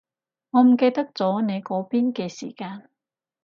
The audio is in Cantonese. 我唔記得咗你嗰邊嘅時間